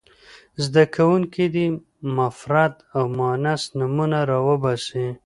زده کوونکي دې مفرد او مؤنث نومونه را وباسي.